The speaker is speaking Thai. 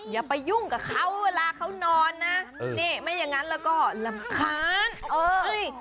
อย่าไปยุ่งกับเขาเวลาเขานอนนะไม่ยังว่าลำคัญ